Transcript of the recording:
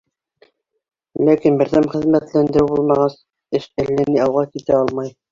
Ләкин, берҙәм хеҙмәтләндереү булмағас, эш әллә ни алға китә алмай.